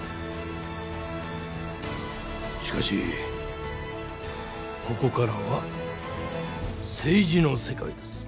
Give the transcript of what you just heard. しかしここからは政治の世界です。